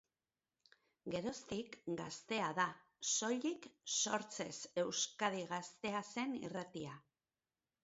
Geroztik, Gaztea da, soilik, sortzez Euskadi Gaztea zen irratia.